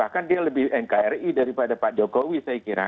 jadi lebih nkri daripada pak jokowi saya kira